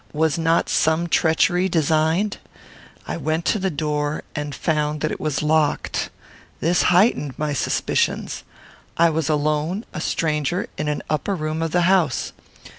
Was not some treachery designed? I went to the door, and found that it was locked. This heightened my suspicions. I was alone, a stranger, in an upper room of the house.